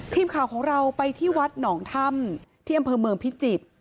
ทีมข่าวของเราไปที่วัดหนองถ้ำที่อำเภอเมืองพิจิตร